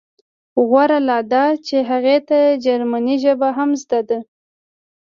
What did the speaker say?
غوره لا دا چې هغې ته جرمني ژبه هم زده ده